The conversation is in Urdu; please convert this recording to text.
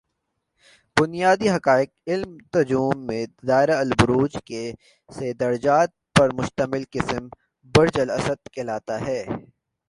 بنیادی حقائق علم نجوم میں دائرۃ البروج کے سے درجات پر مشمل قسم برج اسد کہلاتا ہے